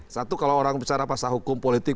satu kalau orang bicara pasal hukum politik